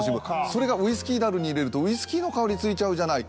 それがウイスキー樽に入れるとウイスキーの香りついちゃうじゃない。